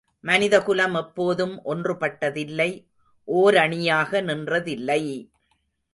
மனிதகுலம் எப்போதும் ஒன்று பட்டதில்லை ஓரணியாக நின்றதில்லை!